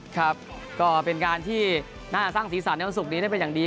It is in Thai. ครับก็เป็นการที่น่าสร้างสีสันในวันศุกร์นี้ได้เป็นอย่างดี